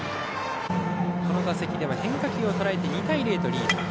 この打席では変化球をとらえて２対０とリード。